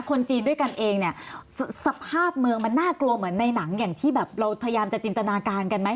คนจีนด้วยกันเองเนี่ยสภาพเมืองมันน่ากลัวเหมือนในหนังอย่างที่แบบเราพยายามจะจินตนาการกันไหม